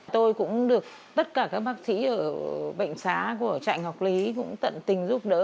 tôi cũng được tất cả các bác sĩ ở bệnh xá của trại ngọc lý cũng tận tình giúp đỡ